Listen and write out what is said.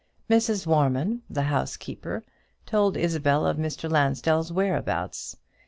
Mrs. Warman, the housekeeper, told Isabel of Mr. Lansdell's whereabouts.